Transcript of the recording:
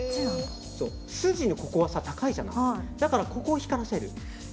筋のここは高いじゃないだから、ここを光らせる。